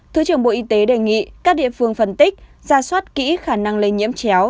thứ trưởng bộ y tế đề nghị các địa phương phân tích ra soát kỹ khả năng lây nhiễm chéo